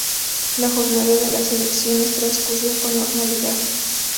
La jornada de las elecciones transcurrió con normalidad.